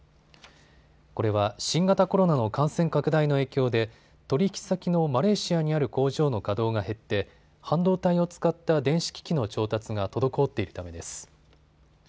これは新型コロナの感染拡大の影響で取引先のマレーシアにある工場の稼働が減って半導体を使った電子機器の調達が滞っているためです。